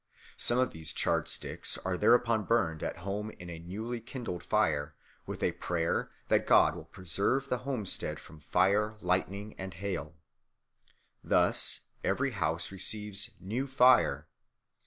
Some of these charred sticks are thereupon burned at home in a newly kindled fire, with a prayer that God will preserve the homestead from fire, lightning, and hail. Thus every house receives "new fire."